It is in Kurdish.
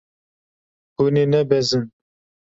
Hûn ê nebezin.